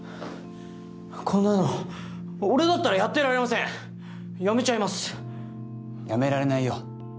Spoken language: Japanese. こんなの俺だったらやってられません辞めちゃいます辞められないよ